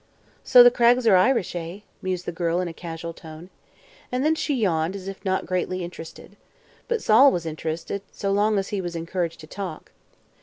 "So the Craggs are Irish, eh?" mused the girl in a casual tone. And then she yawned, as if not greatly interested. But Sol was interested, so long as he was encouraged to talk.